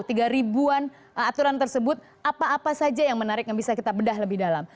tiga ribuan aturan tersebut apa apa saja yang menarik yang bisa kita bedah lebih dalam